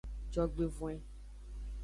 Jogbevoin.